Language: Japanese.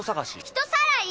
人さらい？